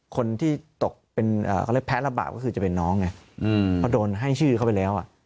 คนที่ตกเป็นแพ้รับบาปก็คือจะเป็นน้องไงพอโดนให้ชื่อเขาไปแล้ว